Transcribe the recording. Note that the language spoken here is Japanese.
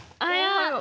おはよう。